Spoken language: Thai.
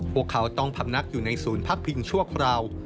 พวกเขาต้องพำนักอยู่ในศูนย์พักพิงชั่วคราว